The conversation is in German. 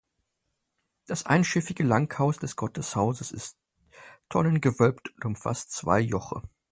Das einschiffige Langhaus des Gotteshauses ist tonnengewölbt und umfasst zwei Joche.